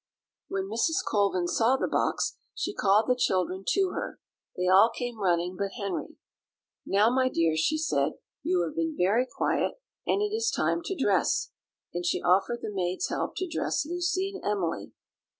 When Mrs. Colvin saw the box she called the children to her; they all came running but Henry. "Now, my dears," she said, "you have been very quiet, and it is time to dress;" and she offered the maid's help to dress Lucy and Emily.